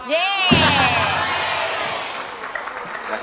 เย้